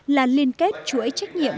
là liên kết chuỗi trách nhiệm